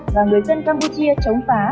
và người dân campuchia chống phá